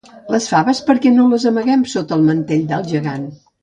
Les faves per què no les amaguem sota el mantell del gegant?